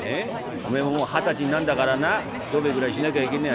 おめえももう二十歳になるんだからな商売ぐらいしなきゃいけねえや。